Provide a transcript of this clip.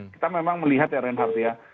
kita memang melihat ya ren hardia